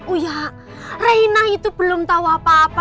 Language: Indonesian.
uya reina itu belum tau apa apa